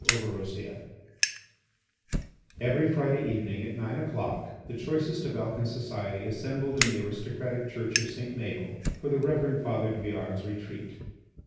ORBEROSIA Every Friday evening at nine o'clock the choicest of Alcan society assembled in the aristocratic church of St. Maël for the Reverend Father Douillard's retreat.